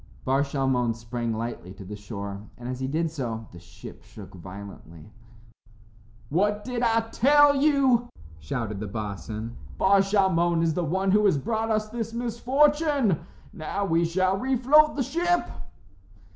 Bar Shalmon sprang lightly to the shore, and as he did so the ship shook violently. "What did I tell you?" shouted the boatswain. "Bar Shalmon is the one who has brought us this misfortune. Now we shall refloat the ship."